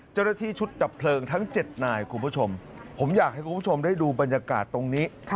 เจ้าหน้าที่ชุดดับเพลิงทั้ง๗นายคุณผู้ชมผมอยากให้คุณผู้ชมได้ดูบรรยากาศตรงนี้